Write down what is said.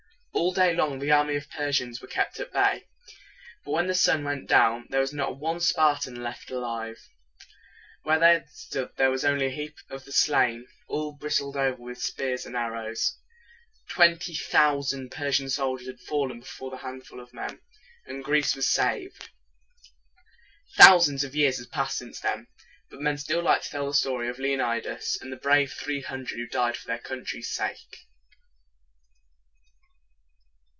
All day long the army of the Persians was kept at bay. But when the sun went down, there was not one Spartan left alive. Where they had stood there was only a heap of the slain, all bristled over with spears and arrows. Twenty thousand Persian soldiers had fallen before that handful of men. And Greece was saved. Thousands of years have passed since then; but men still like to tell the story of Leonidas and the brave three hundred who died for their country's sake.